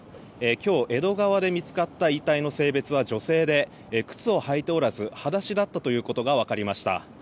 今日、江戸川で見つかった遺体の性別は女性で靴を履いておらず、裸足だったということが分かりました。